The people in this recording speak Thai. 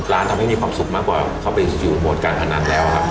ทำให้มีความสุขมากกว่าเขาไปอยู่โหมดการพนันแล้วครับ